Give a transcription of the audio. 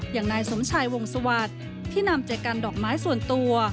อย่างนายสมชายวงสวัสดิ์ที่นำใจกันดอกไม้ส่วนตัว